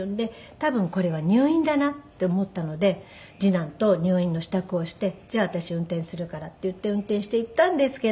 多分これは入院だなって思ったので次男と入院の支度をして「じゃあ私運転するから」っていって運転して行ったんですけど。